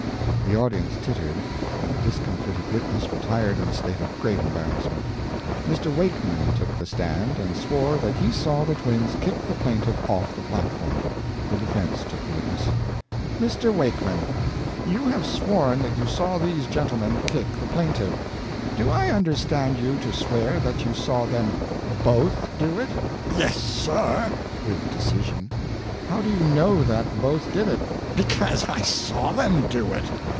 The audience tittered, and the discomfited witness retired in a state of great embarrassment. Mr. Wakeman took the stand and swore that he saw the twins kick the plaintiff off the platform. The defense took the witness. "Mr. Wakeman, you have sworn that you saw these gentlemen kick the plaintiff. Do I understand you to swear that you saw them both do it?" "Yes, sir," with decision. "How do you know that both did it?" "Because I saw them do it."